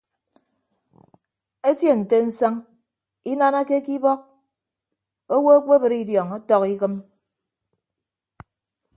Etie nte nsañ inanake ke ibọk owo ekpebre idiọñ ọtọk ikịm.